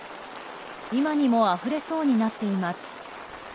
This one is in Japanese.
今にもあふれそうになっています。